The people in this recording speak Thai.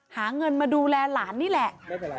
หาเงินมาดูแลหลานนี่แหละ